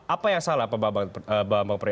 apa yang salah pak mbak mbak pri